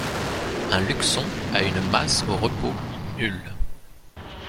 Un luxon a une masse au repos nulle.